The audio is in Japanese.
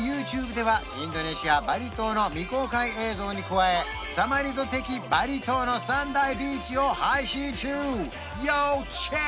ＹｏｕＴｕｂｅではインドネシアバリ島の未公開映像に加えさまリゾ的バリ島の３大ビーチを配信中要チェック！